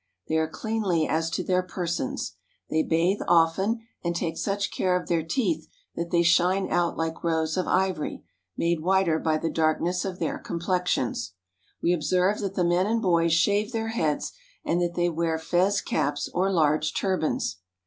They are cleanly as to their persons. They bathe often, and take such care of their teeth that they shine out like rows of ivory, made whiter by the darkness of their complexions. We observe that the men and boys shave their heads, and that they wear fez caps or large turbans.